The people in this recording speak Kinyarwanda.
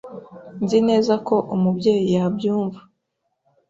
Nzi neza ko Umubyeyi yabyumva.